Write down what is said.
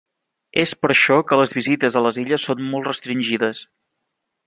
És per això que les visites a les illes són molt restringides.